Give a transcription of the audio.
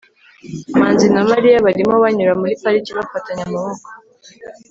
manzi na mariya barimo banyura muri parike, bafatanye amaboko